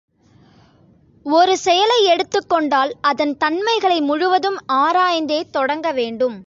ஒரு செயலை எடுத்துக்கொண்டால் அதன் தன்மைகளை முழுவதும் ஆராய்ந்தே தொடங்க வேண்டும்.